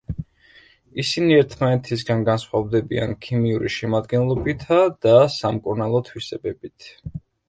ისინი ერთმანეთისგან განსხვავდებიან ქიმიური შემადგენლობითა და სამკურნალო თვისებებით.